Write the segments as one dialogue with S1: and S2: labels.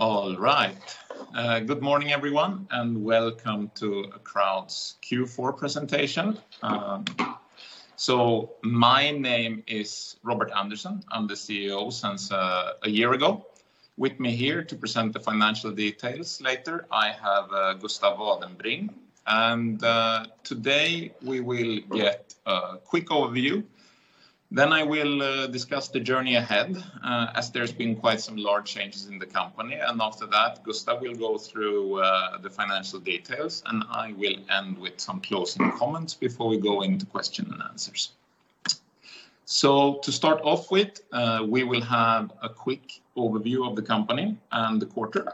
S1: All right. Good morning, everyone, and welcome to Acroud's Q4 presentation. My name is Robert Andersson. I'm the CEO since a year ago. With me here to present the financial details later, I have Gustav Vadenbring. Today we will get a quick overview, then I will discuss the journey ahead, as there's been quite some large changes in the company. After that, Gustav will go through the financial details, I will end with some closing comments before we go into question and answers. To start off with, we will have a quick overview of the company and the quarter.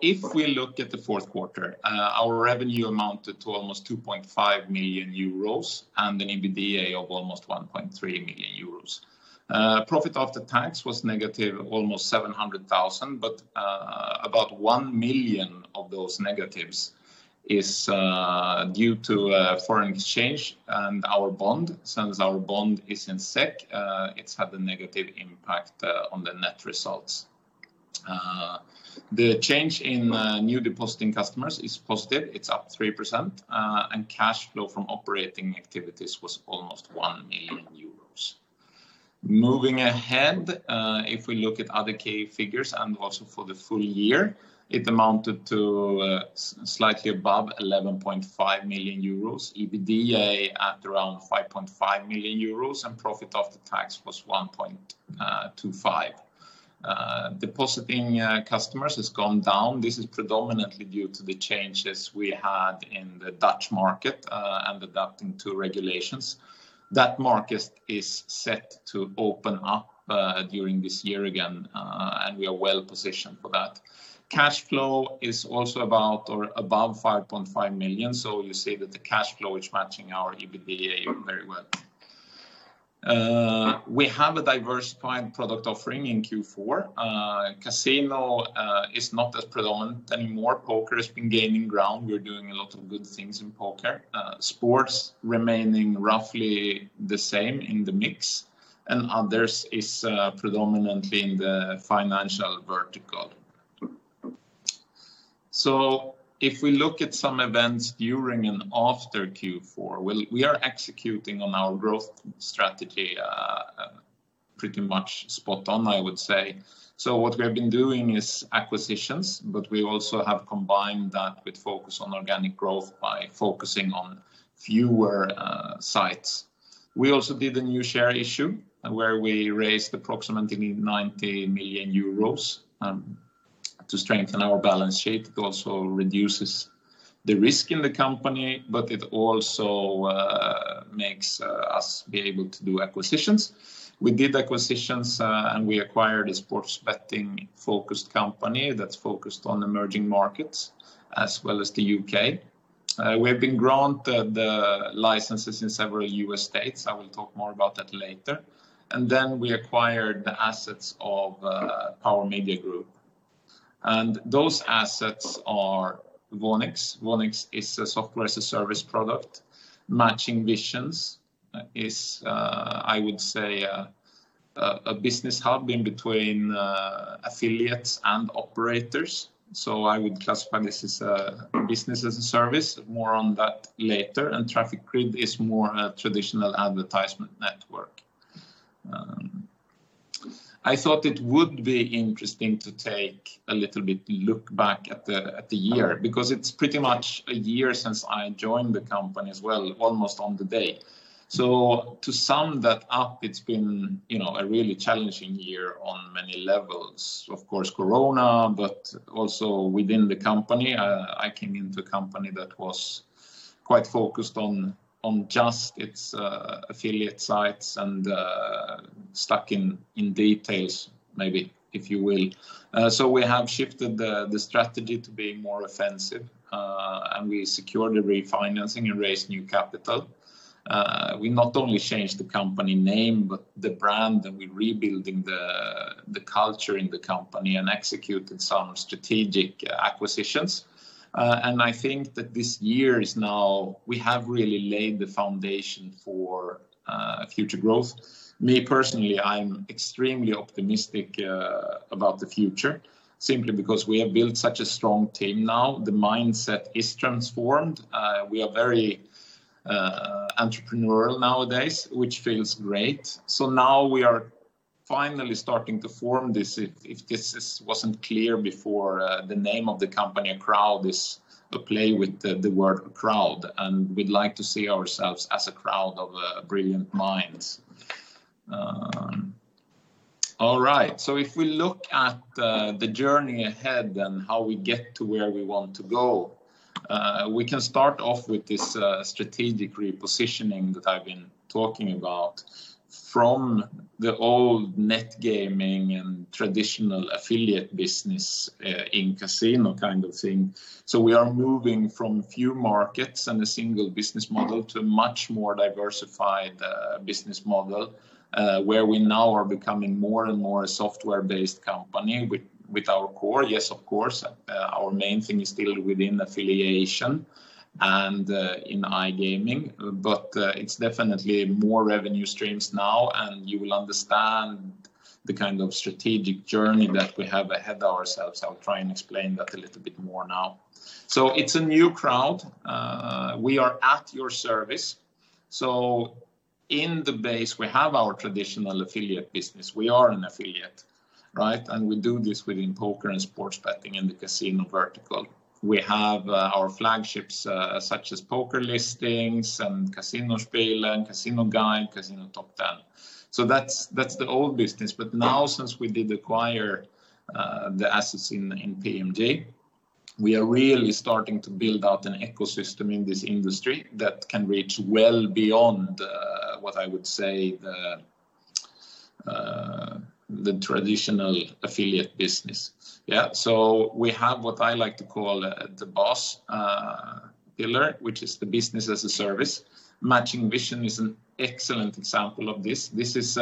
S1: If we look at the fourth quarter, our revenue amounted to almost 2.5 million euros and an EBITDA of almost 1.3 million euros. Profit after tax was negative almost 700,000, about 1 million of those negatives is due to foreign exchange and our bond. Since our bond is in SEK, it's had a negative impact on the net results. The change in new depositing customers is positive. It's up 3%, and cash flow from operating activities was almost 1 million euros. Moving ahead, if we look at other key figures and also for the full year, it amounted to slightly above 11.5 million euros, EBITDA at around 5.5 million euros, and profit after tax was 1.25 million. Depositing customers has gone down. This is predominantly due to the changes we had in the Dutch market and adapting to regulations. That market is set to open up during this year again, and we are well-positioned for that. Cash flow is also about or above 5.5 million, so you see that the cash flow is matching our EBITDA very well. We have a diversified product offering in Q4. Casino is not as predominant anymore. Poker has been gaining ground. We're doing a lot of good things in poker. Sports remaining roughly the same in the mix. Others is predominantly in the financial vertical. If we look at some events during and after Q4, we are executing on our growth strategy pretty much spot on, I would say. What we have been doing is acquisitions. We also have combined that with focus on organic growth by focusing on fewer sites. We also did a new share issue where we raised approximately 90 million euros to strengthen our balance sheet. It also reduces the risk in the company. It also makes us be able to do acquisitions. We did acquisitions. We acquired a sports betting-focused company that's focused on emerging markets as well as the U.K. We have been granted the licenses in several U.S. states. I will talk more about that later. We acquired the assets of Power Media Group. Those assets are Voonix. Voonix is a software as a service product. Matching Visions is, I would say, a business hub in between affiliates and operators. I would classify this as a business as a service. More on that later. Traffic Grid is more a traditional advertisement network. I thought it would be interesting to take a little bit look back at the year, because it's pretty much a year since I joined the company as well, almost on the day. To sum that up, it's been a really challenging year on many levels. Of course, Corona. Also within the company. I came into a company that was quite focused on just its affiliate sites and stuck in details, maybe, if you will. We have shifted the strategy to being more offensive, and we secured a refinancing and raised new capital. We not only changed the company name, but the brand, and we're rebuilding the culture in the company and executed some strategic acquisitions. I think that this year is now we have really laid the foundation for future growth. Me, personally, I'm extremely optimistic about the future, simply because we have built such a strong team now. The mindset is transformed. We are very entrepreneurial nowadays, which feels great. Now we are finally starting to form this. If this wasn't clear before, the name of the company, Acroud, is a play with the word crowd, and we'd like to see ourselves as a crowd of brilliant minds. All right. If we look at the journey ahead and how we get to where we want to go, we can start off with this strategic repositioning that I've been talking about from the old Net Gaming and traditional affiliate business in casino kind of thing. We are moving from few markets and a single business model to much more diversified business model, where we now are becoming more and more a software-based company with our core. Yes, of course. Our main thing is still within affiliation and in iGaming, but it's definitely more revenue streams now, and you will understand the kind of strategic journey that we have ahead ourselves. I will try and explain that a little bit more now. It's a new Acroud. We are at your service. In the base, we have our traditional affiliate business. We are an affiliate. We do this within poker and sports betting in the casino vertical. We have our flagships, such as PokerListings and Casino Spellen, CasinoGuide, CasinoTop10. That's the old business. Now, since we did acquire the assets in PMG, we are really starting to build out an ecosystem in this industry that can reach well beyond what I would say, the traditional affiliate business. We have what I like to call the BOSS pillar, which is the business as a service. Matching Visions is an excellent example of this. This is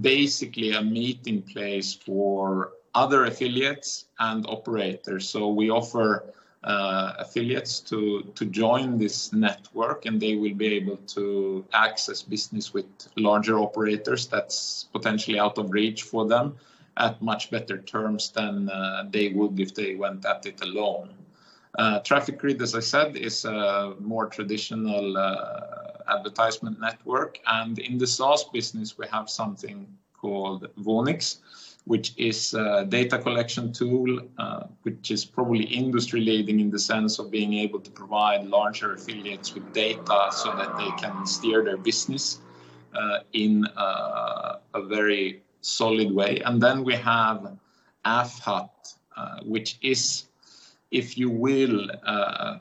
S1: basically a meeting place for other affiliates and operators. We offer affiliates to join this network, and they will be able to access business with larger operators that's potentially out of reach for them at much better terms than they would if they went at it alone. Traffic Grid, as I said, is a more traditional advertisement network. In the SaaS business, we have something called Voonix, which is a data collection tool, which is probably industry-leading in the sense of being able to provide larger affiliates with data so that they can steer their business in a very solid way. We have AffHut, which is a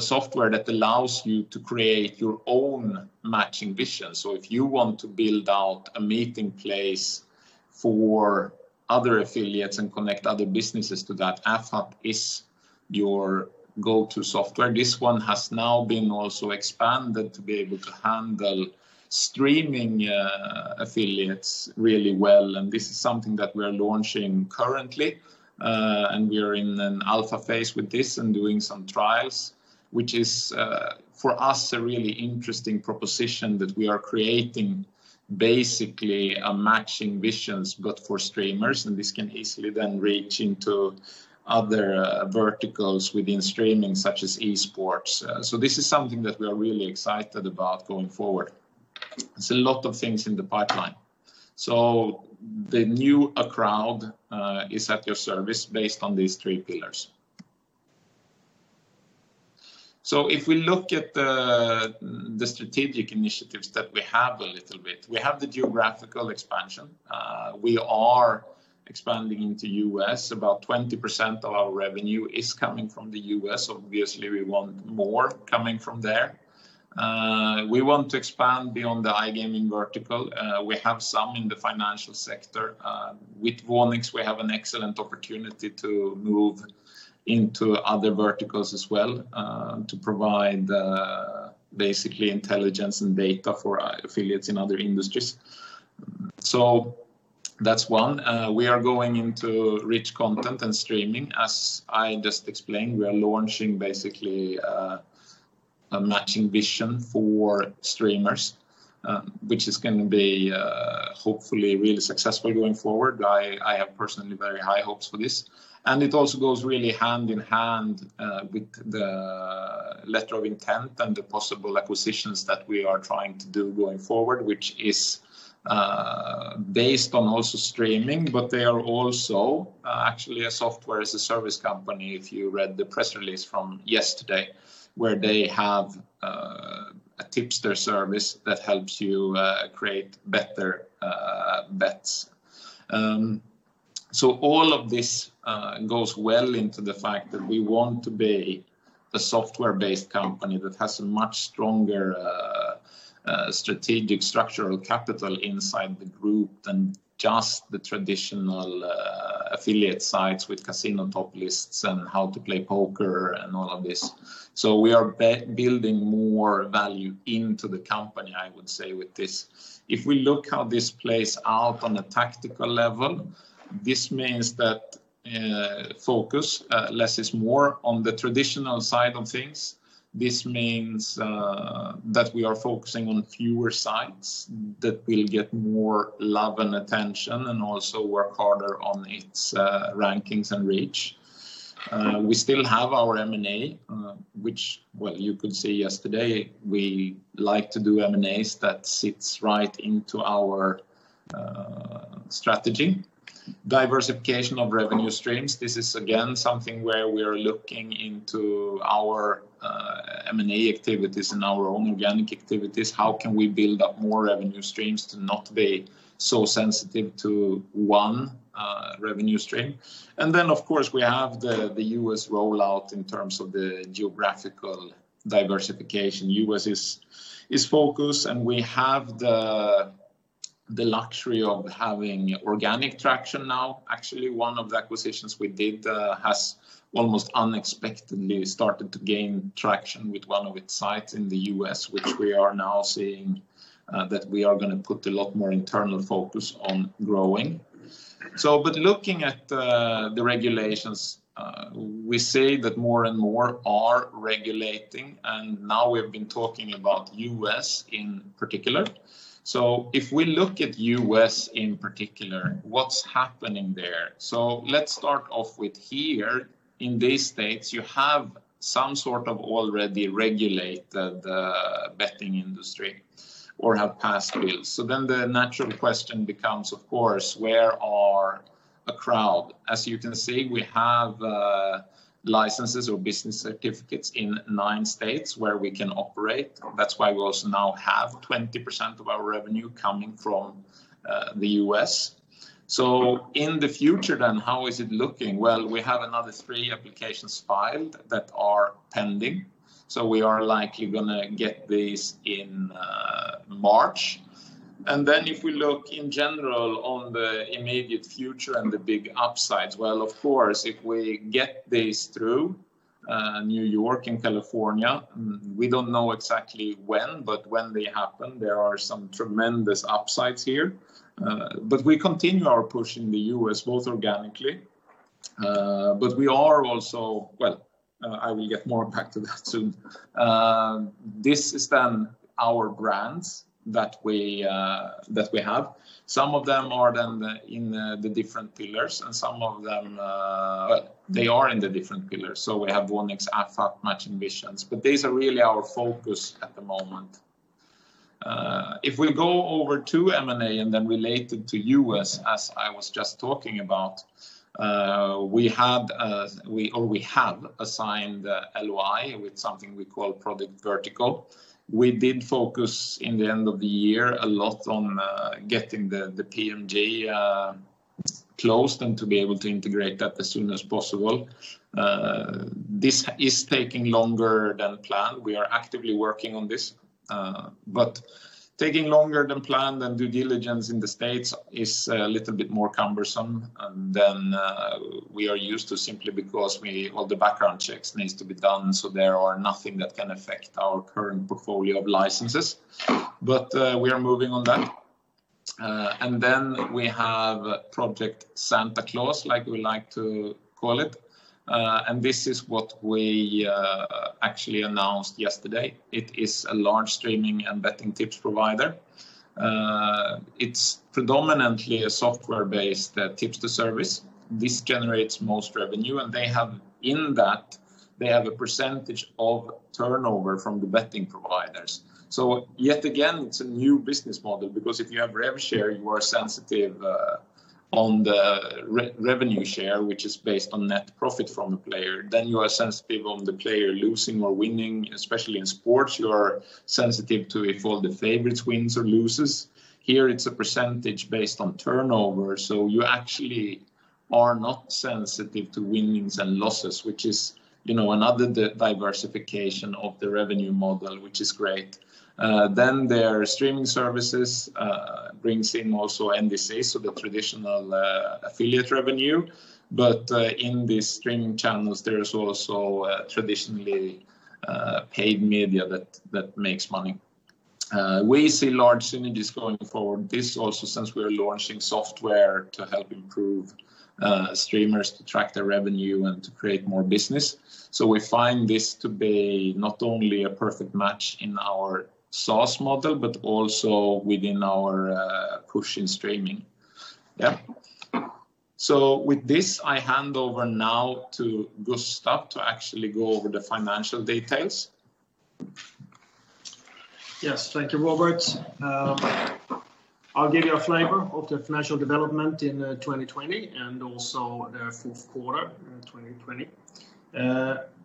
S1: software that allows you to create your own Matching Visions. If you want to build out a meeting place for other affiliates and connect other businesses to that, AffHut is your go-to software. This one has now been also expanded to be able to handle streaming affiliates really well, and this is something that we are launching currently. We are in an alpha phase with this and doing some trials, which is, for us, a really interesting proposition that we are creating basically a Matching Visions, but for streamers, and this can easily then reach into other verticals within streaming, such as e-sports. This is something that we are really excited about going forward. It's a lot of things in the pipeline. The new Acroud is at your service based on these three pillars. If we look at the strategic initiatives that we have a little bit, we have the geographical expansion. We are expanding into U.S. About 20% of our revenue is coming from the U.S. Obviously, we want more coming from there. We want to expand beyond the iGaming vertical. We have some in the financial sector. With Voonix, we have an excellent opportunity to move into other verticals as well, to provide basically intelligence and data for our affiliates in other industries. That's one. We are going into rich content and streaming, as I just explained. We are launching basically a Matching Visions for streamers, which is going to be hopefully really successful going forward. I have personally very high hopes for this. It also goes really hand in hand with the letter of intent and the possible acquisitions that we are trying to do going forward, which is based on also streaming, but they are also actually a software as a service company, if you read the press release from yesterday, where they have a tipster service that helps you create better bets. All of this goes well into the fact that we want to be a software-based company that has a much stronger strategic structural capital inside the group than just the traditional affiliate sites with CasinoTop10 and how to play poker and all of this. We are building more value into the company, I would say, with this. If we look how this plays out on a tactical level, this means that focus, less is more on the traditional side of things. This means that we are focusing on fewer sites that will get more love and attention and also work harder on its rankings and reach. We still have our M&A which, well, you could see yesterday, we like to do M&As that sits right into our strategy. Diversification of revenue streams. This is, again, something where we are looking into our M&A activities and our own organic activities. How can we build up more revenue streams to not be so sensitive to one revenue stream? Then, of course, we have the U.S. rollout in terms of the geographical diversification. U.S. is focused, we have the luxury of having organic traction now. Actually, one of the acquisitions we did has almost unexpectedly started to gain traction with one of its sites in the U.S., which we are now seeing that we are going to put a lot more internal focus on growing. Looking at the regulations, we see that more and more are regulating, and now we have been talking about the U.S. in particular. If we look at the U.S. in particular, what's happening there? Let's start off with here. In these states, you have some sort of already regulated betting industry or have passed bills. The natural question becomes, of course, where are Acroud? As you can see, we have licenses or business certificates in nine states where we can operate. That's why we also now have 20% of our revenue coming from the U.S. In the future then, how is it looking? Well, we have another three applications filed that are pending. We are likely going to get these in March. If we look in general on the immediate future and the big upsides, well, of course, if we get these through New York and California, we don't know exactly when, but when they happen, there are some tremendous upsides here. We continue our push in the U.S. both organically, but we are also, well, I will get more back to that soon. This is then our brands that we have. Some of them are in the different pillars, so we have Voonix, AffHut, Matching Visions, but these are really our focus at the moment. If we go over to M&A and then relate it to U.S., as I was just talking about, we have assigned LOI with something we call Project Vertical. We did focus in the end of the year a lot on getting the PMG closed and to be able to integrate that as soon as possible. This is taking longer than planned. We are actively working on this. Taking longer than planned and due diligence in the U.S. is a little bit more cumbersome than we are used to, simply because all the background checks need to be done so there are nothing that can affect our current portfolio of licenses. We are moving on that. Then we have Project Santa Claus, like we like to call it, and this is what we actually announced yesterday. It is a large streaming and betting tips provider. It's predominantly a software-based tips to service. This generates most revenue, and in that, they have a percentage of turnover from the betting providers. Yet again, it's a new business model because if you have rev share, you are sensitive on the revenue share, which is based on net profit from a player. You are sensitive on the player losing or winning, especially in sports, you are sensitive to if all the favorites wins or loses. Here, it's a percentage based on turnover, so you actually are not sensitive to winnings and losses, which is another diversification of the revenue model, which is great. Their streaming services brings in also NDC, so the traditional affiliate revenue. In these streaming channels, there is also traditionally paid media that makes money. We see large synergies going forward. This also, since we're launching software to help improve streamers to track their revenue and to create more business. We find this to be not only a perfect match in our SaaS model but also within our push in streaming. With this, I hand over now to Gustav to actually go over the financial details.
S2: Yes. Thank you, Robert. I'll give you a flavor of the financial development in 2020 and also the fourth quarter in 2020.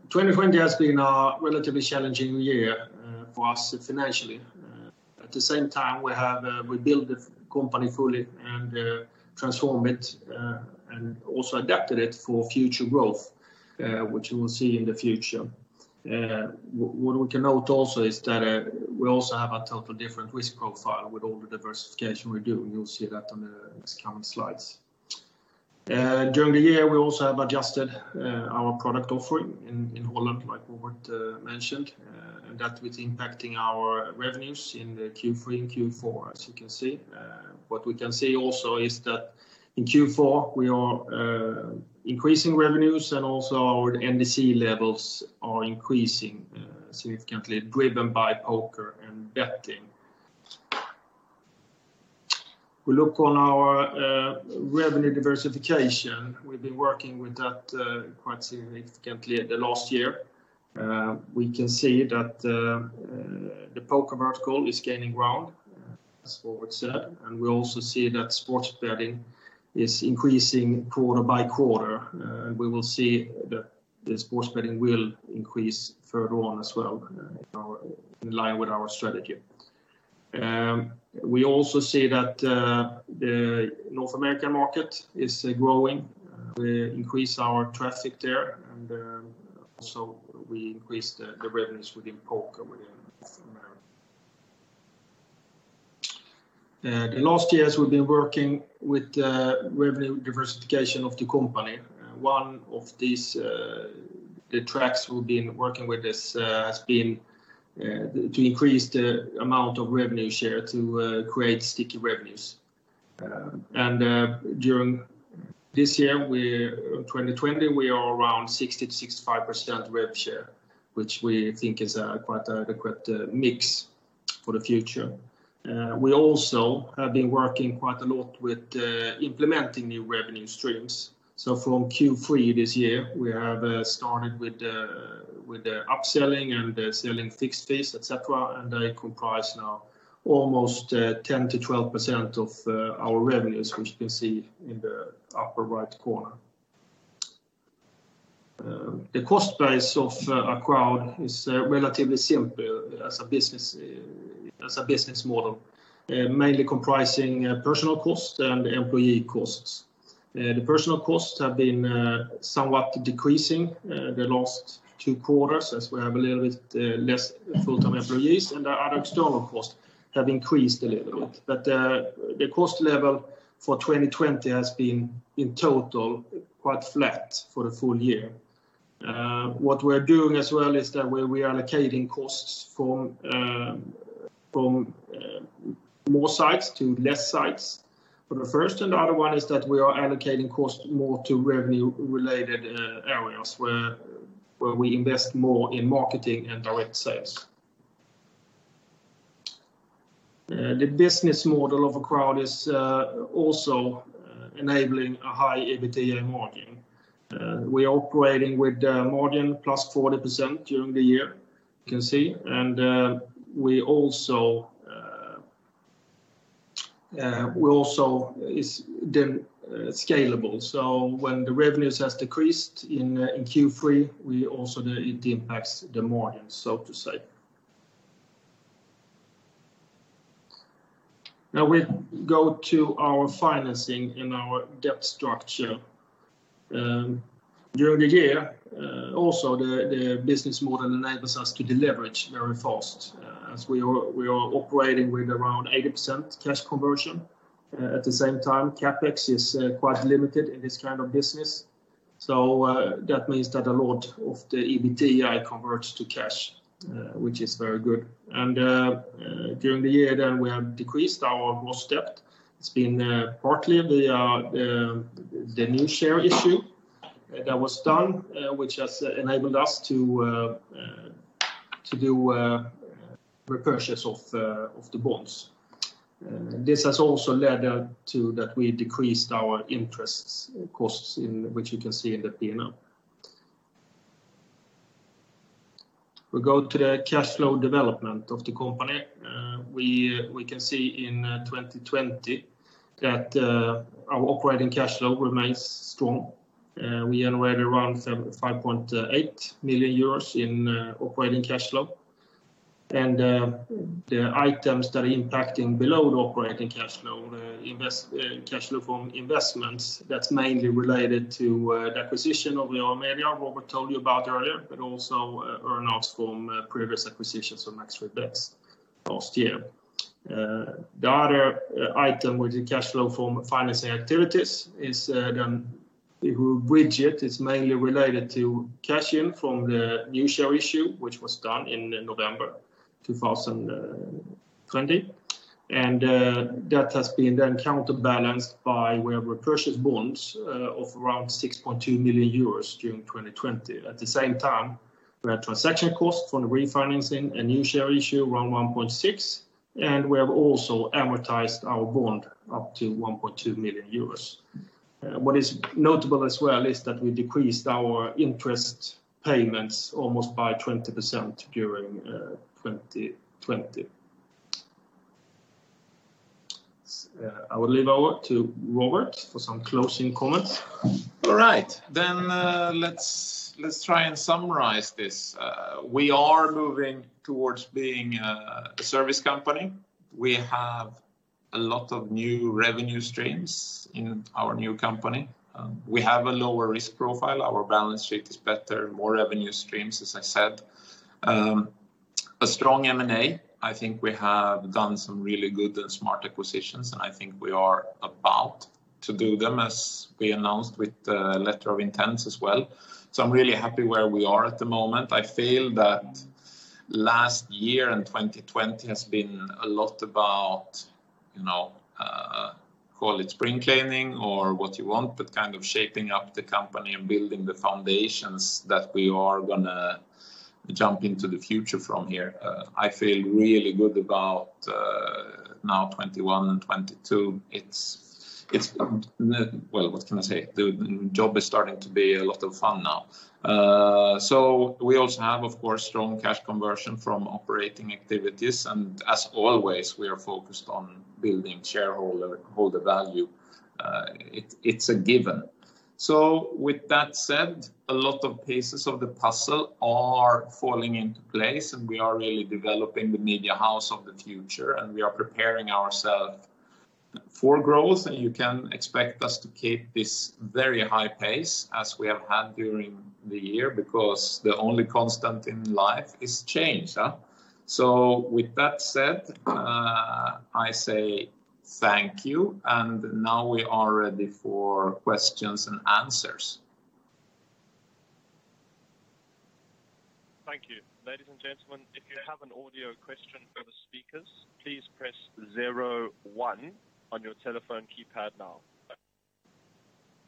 S2: 2020 has been a relatively challenging year for us financially. At the same time, we built the company fully and transformed it, and also adapted it for future growth, which we will see in the future. What we can note also is that we also have a total different risk profile with all the diversification we do, and you'll see that on these coming slides. During the year, we also have adjusted our product offering in Holland, like Robert mentioned, and that was impacting our revenues in the Q3 and Q4, as you can see. What we can see also is that in Q4, we are increasing revenues and also our NDC levels are increasing significantly, driven by poker and betting. We look on our revenue diversification. We've been working with that quite significantly the last year. We can see that the poker vertical is gaining ground, as Robert said, and we also see that sports betting is increasing quarter by quarter. We will see that the sports betting will increase further on as well in line with our strategy. We also see that the North American market is growing. We increase our traffic there, and also we increase the revenues within poker within North America. The last years, we've been working with revenue diversification of the company. One of the tracks we've been working with has been to increase the amount of rev share to create sticky revenues. During this year, 2020, we are around 60%-65% rev share, which we think is quite an adequate mix for the future. We also have been working quite a lot with implementing new revenue streams. From Q3 this year, we have started with the upselling and selling fixed fees, et cetera, and they comprise now almost 10%-12% of our revenues, which you can see in the upper right corner. The cost base of Acroud is relatively simple as a business model, mainly comprising personal cost and employee costs. The personal costs have been somewhat decreasing the last two quarters as we have a little bit less full-time employees and our other external costs have increased a little bit. The cost level for 2020 has been, in total, quite flat for the full year. What we are doing as well is that we are allocating costs from more sites to less sites for the first, and the other one is that we are allocating costs more to revenue-related areas where we invest more in marketing and direct sales. The business model of Acroud is also enabling a high EBITDA margin. We're operating with a margin plus 40% during the year, you can see. We also are scalable. When the revenues has decreased in Q3, it impacts the margins, so to say. Now we go to our financing and our debt structure. During the year, also the business model enables us to deleverage very fast as we are operating with around 80% cash conversion. At the same time, CapEx is quite limited in this kind of business. That means that a lot of the EBITDA converts to cash, which is very good. During the year, then we have decreased our gross debt. It's been partly the new share issue that was done, which has enabled us to do repurchase of the bonds. This has also led to that we decreased our interest costs, which you can see in the P&L. We go to the cash flow development of the company. We can see in 2020 that our operating cash flow remains strong. We generated around 5.8 million euros in operating cash flow. The items that are impacting below the operating cash flow, cash flow from investments, that's mainly related to the acquisition of Leomedia, Robert told you about earlier, but also earn outs from previous acquisitions from Next3Desks last year. The other item with the cash flow from financing activities is the widget. It's mainly related to cash in from the new share issue, which was done in November 2020. That has been then counterbalanced by where we purchased bonds of around 6.2 million euros during 2020. At the same time, we had transaction costs from the refinancing and new share issue around 1.6 million. We have also amortized our bond up to 1.2 million euros. What is notable as well is that we decreased our interest payments almost by 20% during 2020. I will leave over to Robert for some closing comments.
S1: Let's try and summarize this. We are moving towards being a service company. We have a lot of new revenue streams in our new company. We have a lower risk profile. Our balance sheet is better, more revenue streams, as I said. A strong M&A. I think we have done some really good and smart acquisitions, and I think we are about to do them as we announced with the letter of intents as well. I'm really happy where we are at the moment. I feel that last year in 2020 has been a lot about call it spring cleaning or what you want, but kind of shaping up the company and building the foundations that we are going to jump into the future from here. I feel really good about now 2021 and 2022. What can I say? The job is starting to be a lot of fun now. We also have, of course, strong cash conversion from operating activities and as always, we are focused on building shareholder value. It's a given. With that said, a lot of pieces of the puzzle are falling into place, and we are really developing the media house of the future, and we are preparing ourselves for growth. You can expect us to keep this very high pace as we have had during the year because the only constant in life is change. With that said, I say thank you, and now we are ready for questions and answers.
S3: Thank you. Ladies and gentlemen, if you have an audio question for the speakers, please press zero one on your telephone keypad now.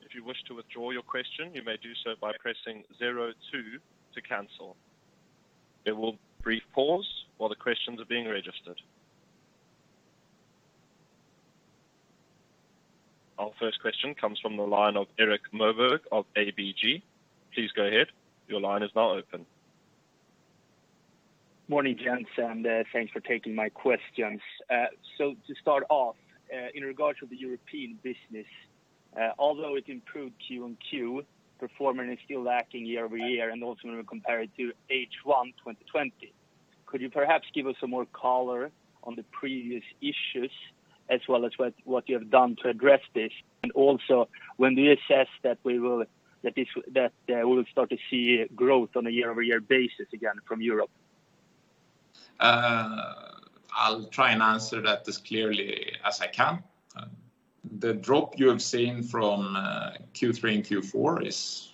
S3: If you wish to withdraw your question, you may do so by pressing zero two to cancel. There will be a brief pause while the questions are being registered. Our first question comes from the line of Erik Moberg of ABG. Please go ahead. Your line is now open.
S4: Morning, gents. Thanks for taking my questions. To start off, in regards to the European business, although it improved QoQ, performance is still lacking year-over-year, and also when we compare it to H1 2020. Could you perhaps give us some more color on the previous issues as well as what you have done to address this? Also when do you assess that we'll start to see growth on a year-over-year basis again from Europe?
S1: I'll try and answer that as clearly as I can. The drop you have seen from Q3 and Q4 is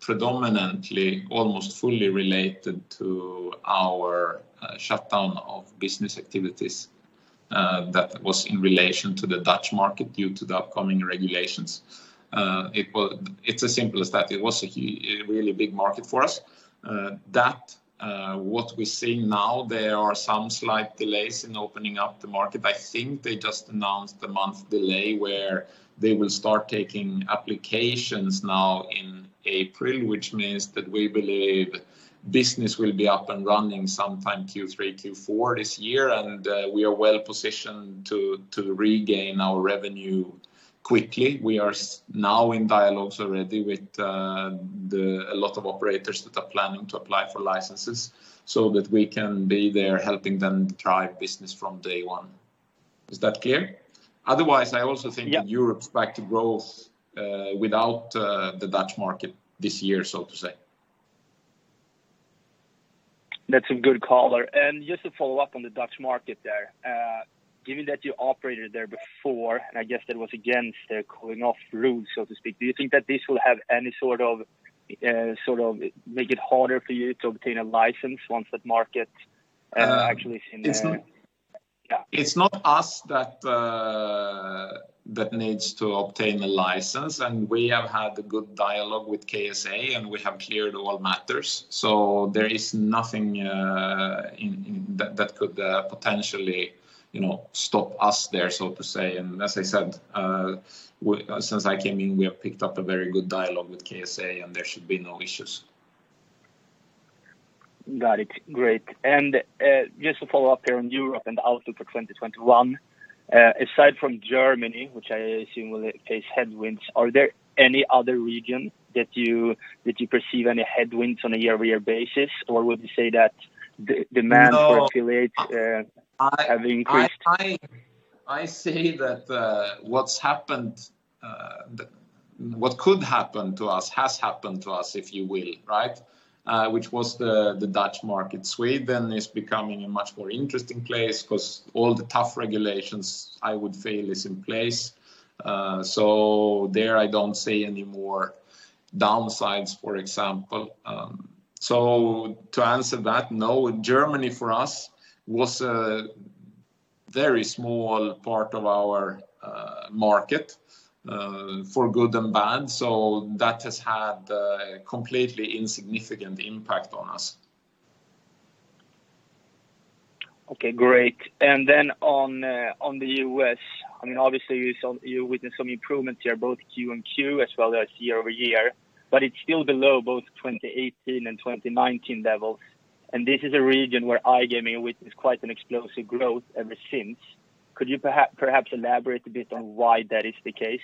S1: predominantly almost fully related to our shutdown of business activities that was in relation to the Dutch market due to the upcoming regulations. It's as simple as that. It was a really big market for us. That, what we're seeing now, there are some slight delays in opening up the market. I think they just announced a month delay where they will start taking applications now in April, which means that we believe business will be up and running sometime Q3, Q4 this year. We are well-positioned to regain our revenue quickly. We are now in dialogues already with a lot of operators that are planning to apply for licenses so that we can be there helping them drive business from day one. Is that clear? Otherwise, I also think.
S4: Yeah.
S1: Europe's back to growth, without the Dutch market this year, so to say.
S4: That's a good color. Just to follow up on the Dutch market there, given that you operated there before, and I guess that was against their cooling off rules, so to speak, do you think that this will make it harder for you to obtain a license once that market actually is in there?
S1: It's not us that needs to obtain a license, and we have had a good dialogue with KSA, and we have cleared all matters. There is nothing that could potentially stop us there, so to say. As I said, since I came in, we have picked up a very good dialogue with KSA, and there should be no issues.
S4: Got it. Great. Just to follow up there on Europe and the outlook for 2021, aside from Germany, which I assume will face headwinds, are there any other region that you perceive any headwinds on a year-over-year basis?
S1: No.
S4: Have increased?
S1: I say that what could happen to us has happened to us, if you will, which was the Dutch market. Sweden is becoming a much more interesting place because all the tough regulations, I would feel, is in place. There I don't see any more downsides, for example. To answer that, no. Germany for us was a very small part of our market, for good and bad. That has had a completely insignificant impact on us.
S4: Okay, great. On the U.S., obviously you witnessed some improvements here, both QoQ as well as year-over-year, but it's still below both 2018 and 2019 levels. This is a region where iGaming witnessed quite an explosive growth ever since. Could you perhaps elaborate a bit on why that is the case?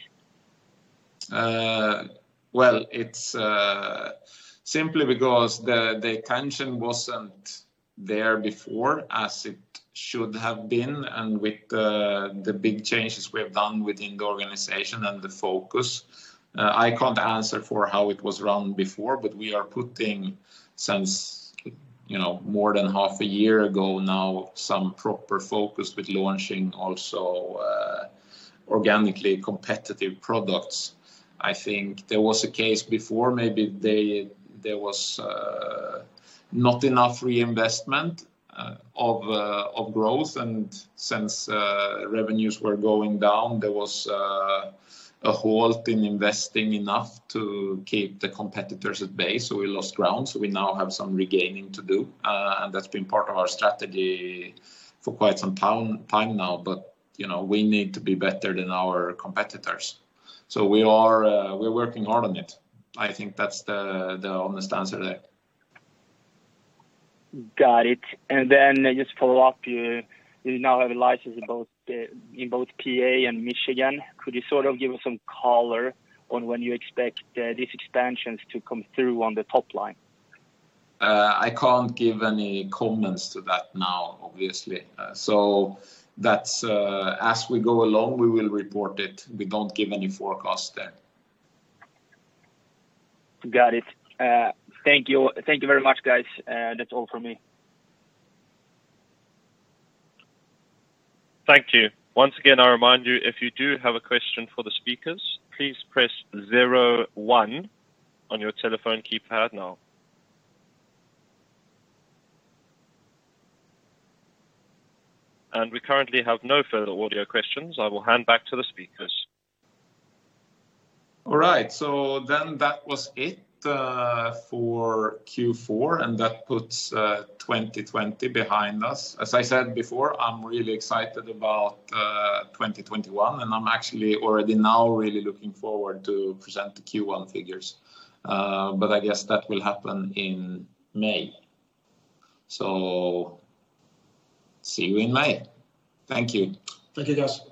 S1: Well, it's simply because the attention wasn't there before as it should have been, and with the big changes we have done within the organization and the focus. I can't answer for how it was run before, but we are putting since more than half a year ago now some proper focus with launching also organically competitive products. I think there was a case before maybe there was not enough reinvestment of growth, and since revenues were going down, there was a halt in investing enough to keep the competitors at bay, so we lost ground. We now have some regaining to do. That's been part of our strategy for quite some time now. We need to be better than our competitors, so we're working hard on it. I think that's the honest answer there.
S4: Got it. Then just follow up, you now have a license in both P.A. and Michigan. Could you give us some color on when you expect these expansions to come through on the top line?
S1: I can't give any comments to that now, obviously. As we go along, we will report it. We don't give any forecast there.
S4: Got it. Thank you very much, guys. That's all from me.
S3: Thank you. Once again, I remind you, if you do have a question for the speakers, please press zero one on your telephone keypad now. We currently have no further audio questions. I will hand back to the speakers.
S1: All right. That was it for Q4, and that puts 2020 behind us. As I said before, I'm really excited about 2021, and I'm actually already now really looking forward to present the Q1 figures. I guess that will happen in May. See you in May. Thank you.
S2: Thank you, guys.